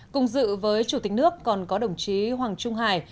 cùng dự với chủ tịch nước còn có đồng chí hoàng trung hải